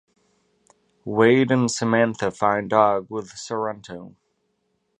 Wade and Samantha find Og with Sorrento.